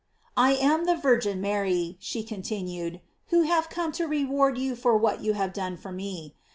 "I am the Virgin Mary," she continued, "who have come to reward you for what you have done for me.